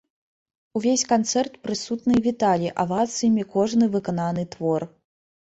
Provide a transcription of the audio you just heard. Увесь канцэрт прысутныя віталі авацыямі кожны выкананы твор.